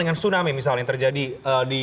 dengan tsunami misalnya yang terjadi di